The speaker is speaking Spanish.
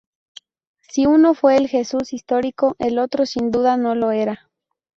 Si uno fue el Jesús histórico, el otro sin duda no lo era.